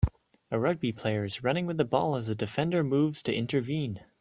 A rugby player is running with the ball as a defender moves to intervene